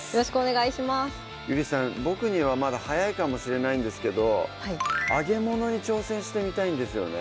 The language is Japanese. ボクにはまだ早いかもしれないんですけど揚げ物に挑戦してみたいんですよね